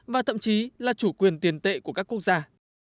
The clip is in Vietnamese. và thậm chí là chủ quyền tiền tệ của các quốc gia